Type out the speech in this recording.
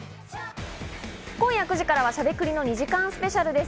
今夜９時からは『しゃべくり』の２時間スペシャルです。